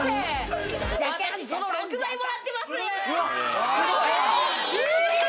私、その６倍もらってます！